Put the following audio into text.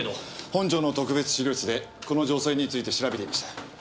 本庁の特別資料室でこの女性について調べていました。